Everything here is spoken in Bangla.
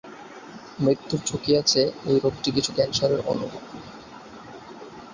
মৃত্যুর ঝুঁকি আছে এ রোগটি কিছু ক্যান্সারের অনুরূপ।